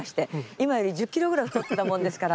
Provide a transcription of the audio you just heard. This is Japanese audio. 今より１０キロぐらい太ってたもんですから。